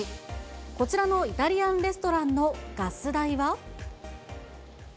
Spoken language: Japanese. こちらのイタリアンレストランのガス代は？